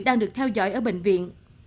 đang được theo dõi ở bệnh viện